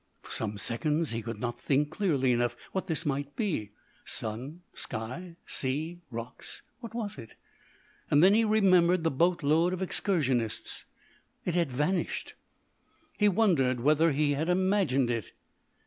For some seconds he could not think clearly enough what this might be. Sun, sky, sea, rocks what was it? Then he remembered the boatload of excursionists. It had vanished. He wondered whether he had imagined it.